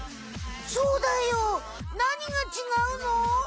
そうだよ何が違うの？